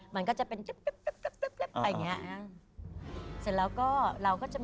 มันก็จะเป็นจุ๊บ